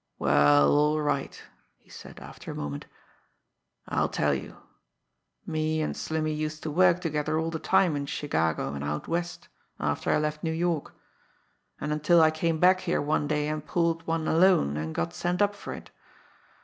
"Well, all right," he said, after a moment; "I'll tell you. Me and Slimmy used to work together all the time in Chicago and out West after I left New York, and until I came back here one day and pulled one alone and got sent up for it.